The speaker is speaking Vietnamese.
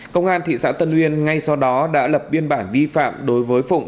công an thị xã tân uyên ngay sau đó đã lập biên bản vi phạm đối với phụng